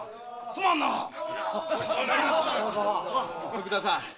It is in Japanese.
徳田さん。